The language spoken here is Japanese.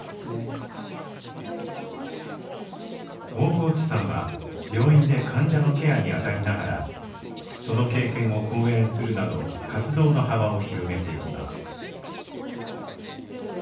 大河内さんは病院で患者のケアに当たりながらその経験を講演するなど活動の幅を広げていきます。